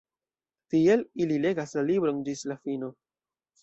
Tiel, ili legas la libron ĝis la fino.